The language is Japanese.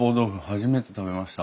初めて食べました。